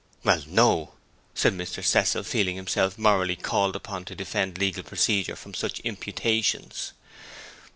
'Well, no,' said Mr. Cecil, feeling himself morally called upon to defend legal procedure from such imputations.